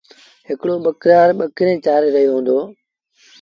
هڪڙو ٻڪرآڙ ٻڪريݩ چآري رهيو هُݩدو۔